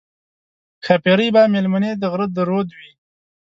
ښاپېرۍ به مېلمنې د غره د رود وي